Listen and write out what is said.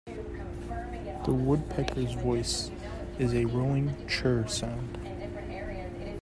This woodpecker's voice is a rolling "churr" sound.